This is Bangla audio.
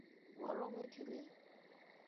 বলো, মিথিলি।